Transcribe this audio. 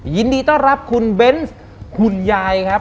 ยินดีต้อนรับคุณเบนส์คุณยายครับ